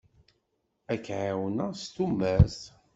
Ad k-ɛawneɣ s tumert.